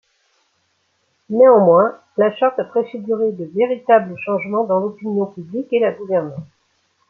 Néanmoins, la charte a préfiguré de véritables changements dans l'opinion publique et la gouvernance.